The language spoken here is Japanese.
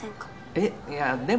えっいやでも。